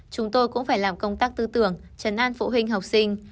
chúng tôi cũng phải làm công tác tư tưởng chấn an phụ huynh học sinh